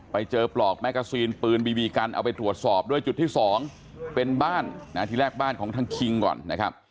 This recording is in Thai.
ไปเจอปลอกแกซีนปืนบีบีกันเอาไปตรวจสอบด้วยจุดที่๒เป็นบ้านที่แรกบ้านของทางคิงก่อนนะครับ